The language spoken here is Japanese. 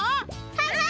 はい！